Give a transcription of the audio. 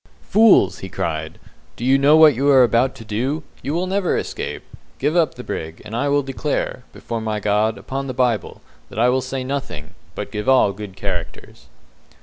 "Fools!" he cried, "do you know what you are about to do? You will never escape. Give up the brig, and I will declare, before my God, upon the Bible, that I will say nothing, but give all good characters."